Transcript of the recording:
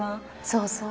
そうそう。